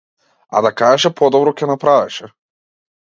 А да кажеше подобро ќе направеше.